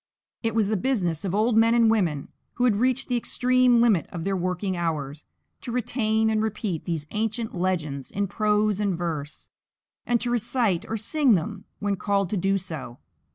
It was the business of old men and women who had reached the extreme limit of their working hours, to retain and repeat these ancient legends in prose and verse, and to recite or sing them when called to do so."